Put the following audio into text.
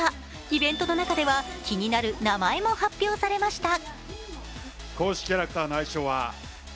イベントの中では気になる名前も発表されました。